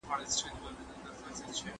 زه به اوږده موده چايي څښلي.